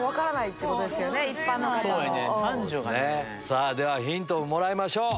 さぁではヒントをもらいましょう。